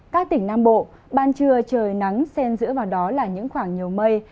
các tỉnh nam bộ ban trưa trời nắng sen giữa vào đó là những khoảng nhiều mây